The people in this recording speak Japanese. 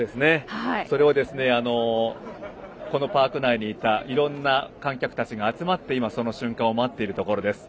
それはこのパーク内にいたいろんな観客たちが集まってその瞬間を待っているところです。